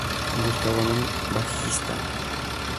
Buscaban un bajista.